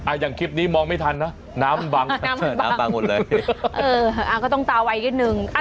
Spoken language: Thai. อย่างคลิปนี้มองไม่ทันนะน้ำบังน้ำบังหมดเลยเอออ่าก็ต้องตาไวนิดนึง